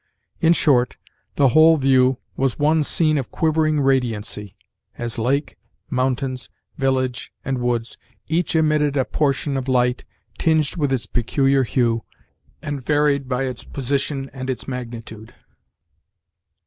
In short, the whole view was one scene of quivering radiancy, as lake, mountains, village, and woods, each emitted a portion of light, tinged with its peculiar hue, and varied by its position and its magnitude.